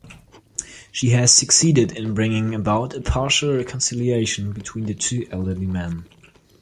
She has succeeded in bringing about a partial reconciliation between the two elderly men.